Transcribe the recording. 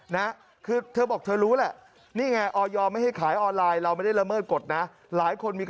นะคือเธอบอกเธอรู้แหละนี่ไงออยอร์บไม่ให้ขายออนไลน์